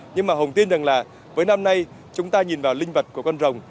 nhưng mà hồng tin rằng là với năm nay chúng ta nhìn vào linh vật của con rồng